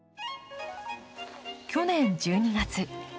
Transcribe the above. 去年１２月。